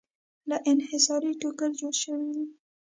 له انحصاري ټوکر جوړې شوې وې.